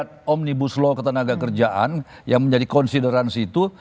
ada omnibus law ketenaga kerjaan yang menjadi konsideransi itu